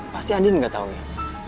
pasti andi gak tau ya